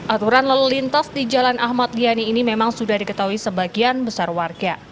aturan lalu lintas di jalan ahmad yani ini memang sudah diketahui sebagian besar warga